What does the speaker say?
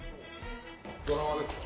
ドラマですか？